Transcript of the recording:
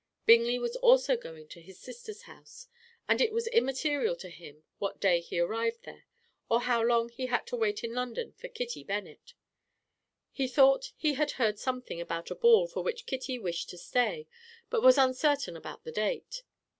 Bingley was also going to his sister's house, and it was immaterial to him what day he arrived there, or how long he had to wait in London for Kitty Bennet. He thought he had heard something about a ball for which Kitty wished to stay, but was uncertain about the date.